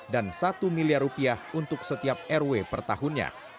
dan satu miliar rupiah untuk setiap rw per tahunnya